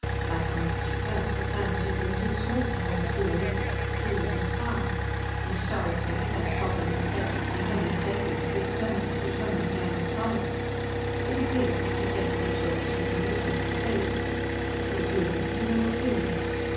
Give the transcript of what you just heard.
Back on ancient Earth, a planet had been too small to hold two races with tools and fire. Historically, that problem was settled when Homo sapiens exterminated Homo neanderthalis. It appeared that the same situation had arisen in space. There were humans, and there were Plumies.